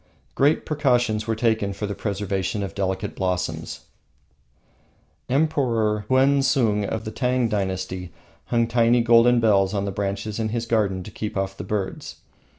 Great precautions were taken for the preservation of delicate blossoms. Emperor Huensung, of the Tang Dynasty, hung tiny golden bells on the branches in his garden to keep off the birds.